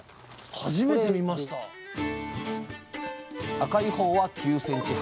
赤いほうは９ｃｍ幅。